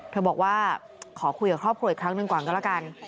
บอกว่าขอคุยกับครอบครัวอีกครั้งหนึ่งก่อนก็แล้วกัน